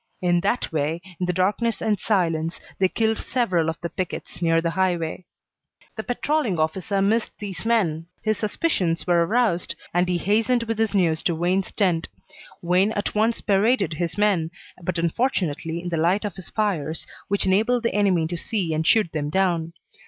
In that way, in the darkness and silence, they killed several of the pickets near the highway. "The patrolling officer missed these men, his suspicions were aroused, and he hastened with his news to Wayne's tent. Wayne at once paraded his men, but unfortunately in the light of his fires, which enabled the enemy to see and shoot them down.